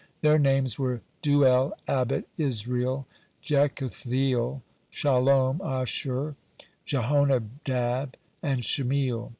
Their names were Deuel, Abit Yisreel, Jekuthiel, Shalom, Ashur, Jehonadab, and Shemiel.